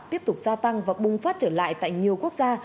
tiếp tục gia tăng và bùng phát trở lại tại nhiều quốc gia